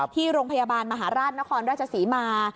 ที่โรงพยาบาลมหาราชนครราชศรีมา